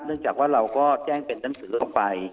จากว่าเราก็แจ้งเป็นหนังสือออกไป